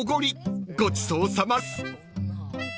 ［ごちそうさまです！］